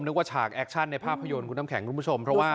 ว่าฉากแอคชั่นในภาพยนตร์คุณน้ำแข็งคุณผู้ชมเพราะว่า